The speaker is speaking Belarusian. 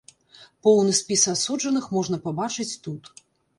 Поўны спіс асуджаных можна пабачыць тут.